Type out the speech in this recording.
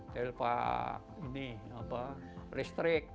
telepak ini apa listrik